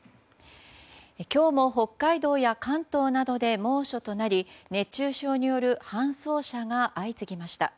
今日も北海道や関東などで猛暑となり熱中症による搬送者が相次ぎました。